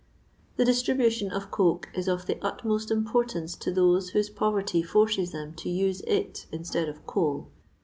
The dis tribution of coke is of the utmost importance to those whose poverty forces them to use it instead of coal.